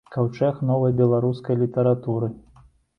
Каўчэг новай беларускай літаратуры.